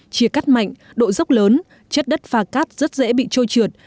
chia cắt mạnh độ dốc lớn chất đất pha cát rất dễ bị trôi trượt